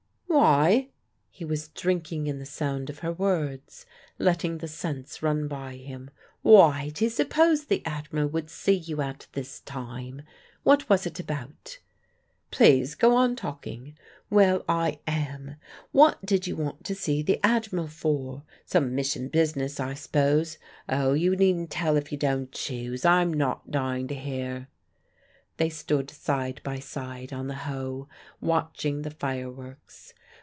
"Why?" He was drinking in the sound of her words, letting the sense run by him. "Why, to suppose the Admiral would see you at this time. What was it about?" "Please go on talking." "Well, I am. What did you want to see the Admiral for? Some Mission business, I s'pose. .. .Oh, you needn't tell if you don't choose; I'm not dying to hear." They stood side by side on the Hoe, watching the fireworks.